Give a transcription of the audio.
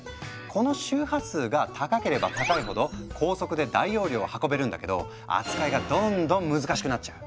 この周波数が高ければ高いほど高速で大容量を運べるんだけど扱いがどんどん難しくなっちゃう。